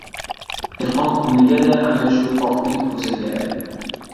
Dehqon kuniga-da ana shu qoqbel ko‘sak yaraydi!